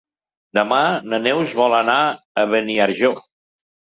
Demà na Neus vol anar a Beniarjó.